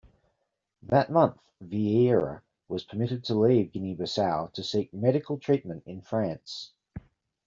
That month Vieira was permitted to leave Guinea-Bissau to seek medical treatment in France.